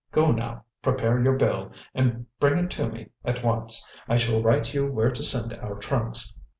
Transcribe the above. Go now, prepare your bill, and bring it to me at once. I shall write you where to send our trunks.